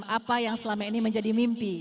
apa yang selama ini menjadi mimpi